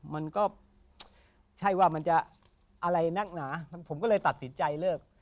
มันก็ใช่ว่ามันจะอะไรนักหนาผมก็เลยตัดสินใจเลิก